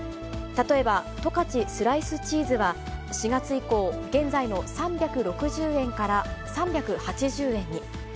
例えば、十勝スライスチーズは、４月以降、現在の３６０円から３８０円に。